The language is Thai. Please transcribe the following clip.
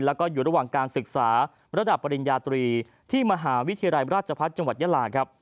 แล้วก็อยู่ระหว่างการศึกษาระดับปริญญาตรีที่มหาวิทยาลัยราชพัฒน์จังหวัดยาลาครับ